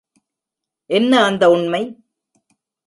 என்ன அந்த உண்மை?